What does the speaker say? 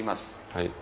はい。